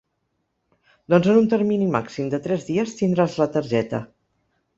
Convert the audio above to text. Doncs en un termini màxim de tres dies tindràs la targeta.